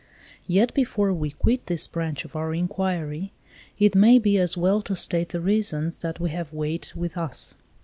Yet, before we quit this branch of our inquiry, it may be as well to state the reasons that have weighed with us.